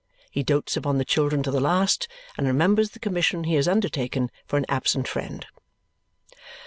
He dotes upon the children to the last and remembers the commission he has undertaken for an absent friend.